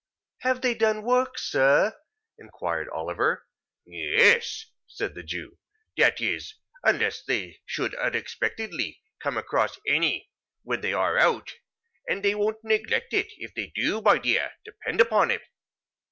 "Have they done work, sir?" inquired Oliver. "Yes," said the Jew; "that is, unless they should unexpectedly come across any, when they are out; and they won't neglect it, if they do, my dear, depend upon it.